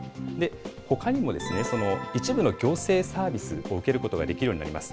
ほかにも一部の行政サービスを受けることができるようになります。